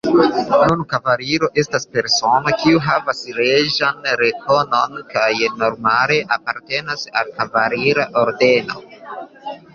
Nun kavaliro estas persono, kiu havas reĝan rekonon kaj normale apartenas al kavalira ordeno.